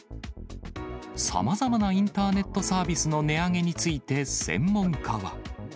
さまざまなインターネットサービスの値上げについて、専門家は。